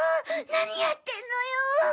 なにやってんのよ！